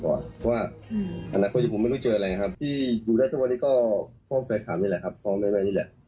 เพราะว่าอนาคตที่ผมไม่รู้เจออะไรครับที่อยู่ได้ทั้งวันนี้ก็พ่อแฟคแม่แม่นี่แหละ